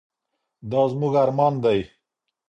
دا زموږ ارمان دی.